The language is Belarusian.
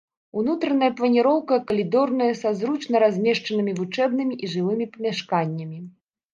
Унутраная планіроўка калідорная са зручна размешчанымі вучэбнымі і жылымі памяшканнямі.